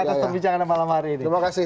atas pembicaraan malam hari ini terima kasih